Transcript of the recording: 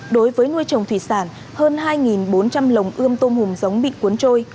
đối với nuôi trồng thủy sản hơn hai bốn trăm linh lồng ươm tôm hùm giống bị cuốn trôi